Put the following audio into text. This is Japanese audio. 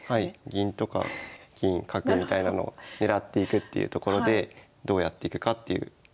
銀とか金角みたいなのを狙っていくっていうところでどうやっていくかっていうところなんですけど。